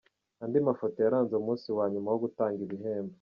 Andi mafoto yaranze umunsi wa nyuma wo gutanga ibihembo.